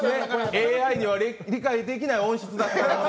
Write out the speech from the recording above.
ＡＩには理解できない音質だった。